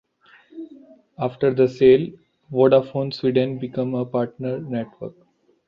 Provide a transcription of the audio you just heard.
After the sale, Vodafone Sweden became a partner network.